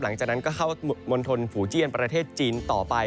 หลังจากนั้นก็เข้ามณฑลฝูเจียนประเทศจีนต่อไป